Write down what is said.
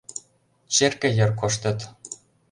Черке йыр коштыт.